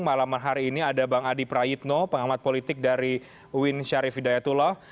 malam hari ini ada bang adi prayitno pengamat politik dari uin syarif hidayatullah